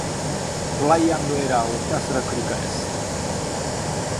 トライアンドエラーをひたすらくりかえす